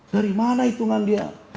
dari mana hitungan dia